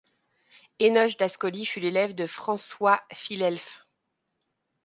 Enoch d’Ascoli fut élève de François Philelphe.